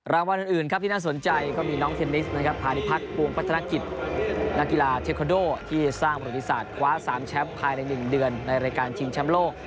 รางวัลอื่นที่น่าสนใจก็มีน้องเทนิกซ์พาณีพักร์กรุงพัฒนาคิตนกีฬาเทคโครโดที่สร้างบริษัทคว้า๓แชมป์ภายใน๑เดือนในรายการทิ้งชั้นโลก